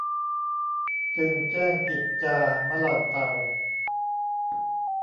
จึงแจ้งกิจจามะเลาเตา